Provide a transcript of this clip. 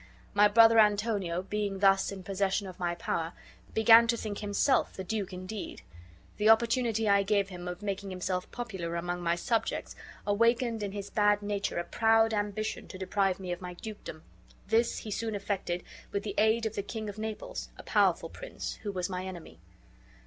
My brother Antonio, being thus in possession of my power, began to think himself the duke indeed. The opportunity I gave him of making himself popular among my subjects awakened in his bad nature a proud ambition to deprive me of my dukedom; this he soon effected with the aid of the King of Naples, a powerful prince, who was my enemy."